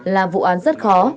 là vụ án rất khó